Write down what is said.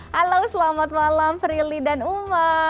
halo selamat malam prilly dan uma